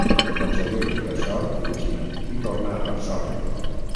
Aconsegueix, per sort, fugir i torna a Varsòvia.